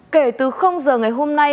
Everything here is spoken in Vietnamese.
kể từ giờ ngày hôm nay